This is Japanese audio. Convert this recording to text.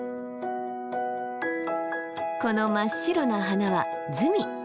この真っ白な花はズミ。